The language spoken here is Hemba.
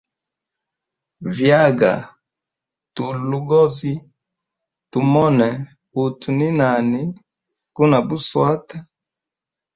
Vyaga tulwe logozi tumone utu ni nani guna buswata.